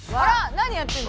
何やってんの？